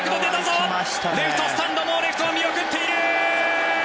レフトスタンドもレフトは見送っている。